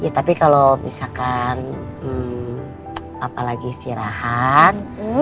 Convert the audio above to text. ya tapi kalau misalkan bapak lagi istirahat